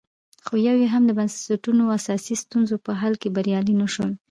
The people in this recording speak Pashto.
خو یو یې هم د بنسټونو اساسي ستونزو په حل کې بریالي نه شول